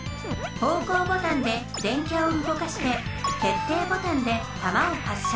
方向ボタンで電キャをうごかして決定ボタンで弾を発射。